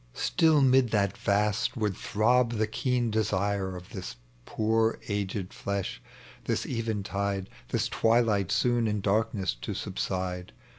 — StiU 'mid that vast would throb the keen desire Of this poor aged flesh, this eventide, This twilight soon in darkness to subside.